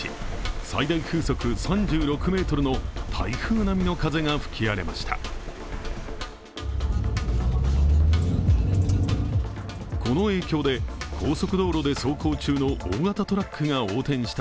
最大風速３６メートルの台風並みの風が吹き荒れました。